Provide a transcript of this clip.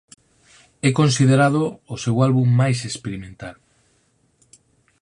É considerado o seu álbum máis experimental.